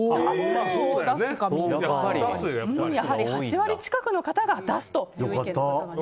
やはり８割近くの方が出すという意見。